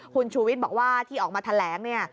คุณชูวิทย์บอกว่าที่ออกมาแถลงเนี่ย